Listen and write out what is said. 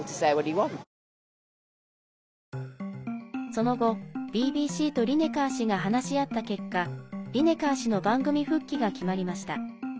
その後、ＢＢＣとリネカー氏が話し合った結果リネカー氏の番組復帰が決まりました。